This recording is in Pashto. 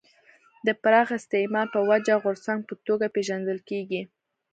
د پراخ استعمال په وجه غورځنګ په توګه پېژندل کېږي.